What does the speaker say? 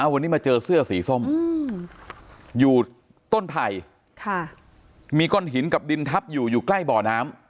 วันนี้มาเจอเสื้อสีส้มอยู่ต้นไผ่มีก้อนหินกับดินทับอยู่อยู่ใกล้บ่อน้ำ